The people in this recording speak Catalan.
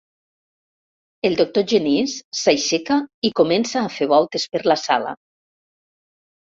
El doctor Genís s'aixeca i comença a fer voltes per la sala.